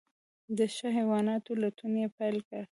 د ښو حیواناتو لټون یې پیل کړ.